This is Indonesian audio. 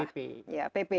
contoh botolnya itu apa